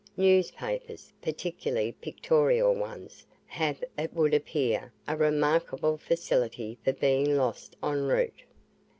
Newspapers, particularly pictorial ones, have, it would appear, a remarkable facility for being lost EN ROUTE.